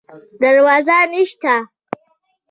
دروازه نشته